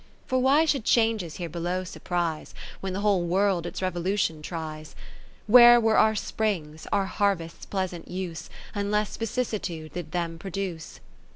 For why should changes here below surprise, When the whole World its revolution tries ? Where were our springs, our harvests' pleasant use, Unless Vicissitude did them produce